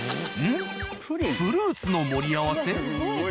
フルーツの盛り合わせ？